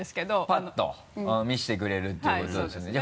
パッと見せてくれるっていうことですよね？